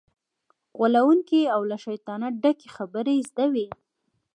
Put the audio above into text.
غولونکې او له شیطانت ډکې خبرې یې زده وي.